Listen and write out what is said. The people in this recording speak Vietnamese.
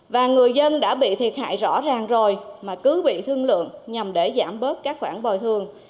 và người dân đã bị thiệt hại rõ ràng rồi mà cứ bị thương lượng nhằm để giảm bớt các khoản bồi thường